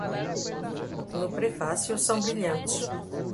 no Prefácio, são brilhantes